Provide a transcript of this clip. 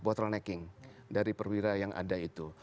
bottlenecking dari perwira yang ada itu